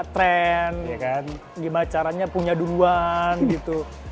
trend gimana caranya punya duluan gitu